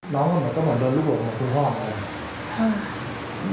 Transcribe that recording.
น้องมันนี่ก็เหมือนโดนรูปภูมิกับคุณพ่อฮะ